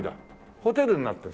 ホテルになってる。